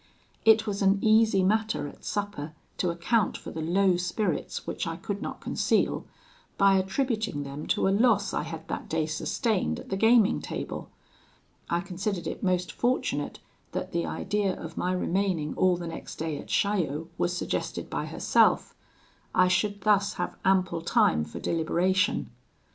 "It was an easy matter at supper to account for the low spirits which I could not conceal, by attributing them to a loss I had that day sustained at the gaming table. I considered it most fortunate that the idea of my remaining all the next day at Chaillot was suggested by herself: I should thus have ample time for deliberation.